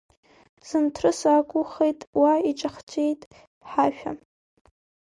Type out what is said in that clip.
Зынҭрыс акухеит, уа иҿахҵәеит ҳашәа.